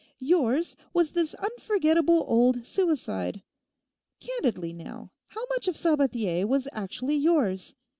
Yours was this unforgettable old suicide. Candidly now, how much of Sabathier was actually yours?